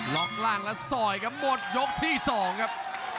ล็อกล่างแล้วสอยกันหมดยกที่๒ครับ